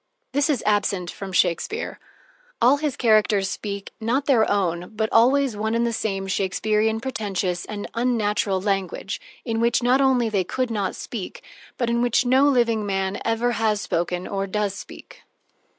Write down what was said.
This is absent from Shakespeare. All his characters speak, not their own, but always one and the same Shakespearian, pretentious, and unnatural language, in which not only they could not speak, but in which no living man ever has spoken or does speak.